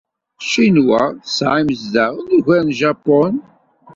Ccinwa tesɛa imezdaɣen ugar n Japun.